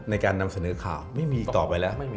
ในการนำเสนอข่าวไม่มีอีกต่อไปแล้ว